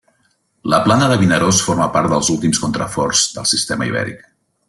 La Plana de Vinaròs forma part dels últims contraforts del Sistema Ibèric.